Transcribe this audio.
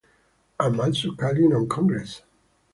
I’m also calling on Congress